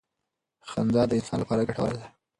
خندا د انسان لپاره ګټوره ده.